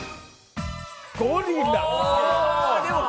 ゴリラ。